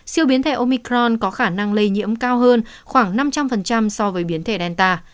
siêu biến thẻ omicron có khả năng lây nhiễm cao hơn khoảng năm trăm linh so với biến thể delta